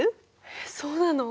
えっそうなの？